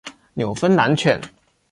纽芬兰犬。